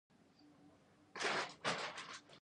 مېز د کور او دفتر دواړو لپاره ضروري دی.